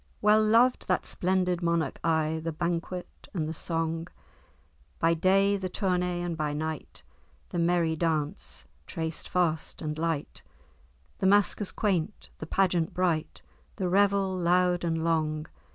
"Well loved that splendid monarch aye The banquet and the song, By day the tourney, and by night The merry dance, traced fast and light, The maskers quaint, the pageant bright, The revel loud and long.